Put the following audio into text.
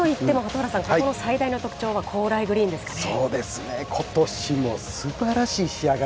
何といっても蛍原さん、ここの最大の特徴は高麗グリーンですかね。